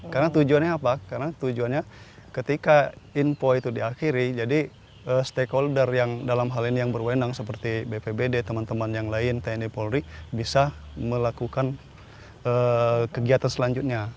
karena tujuannya apa karena tujuannya ketika info itu diakhiri jadi stakeholder yang dalam hal ini yang berwenang seperti bpbd teman teman yang lain tni polri bisa melakukan kegiatan selanjutnya